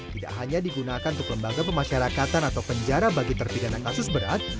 tidak hanya digunakan untuk lembaga pemasyarakatan atau penjara bagi terpidana kasus berat